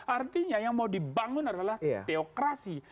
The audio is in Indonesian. artinya yang mau dibangun adalah teokrasi